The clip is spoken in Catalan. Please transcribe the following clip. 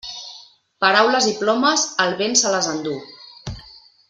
Paraules i plomes, el vent se les enduu.